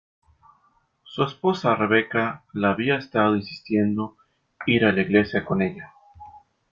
Su esposa Rebeca le había estado insistiendo ir a la iglesia con ella.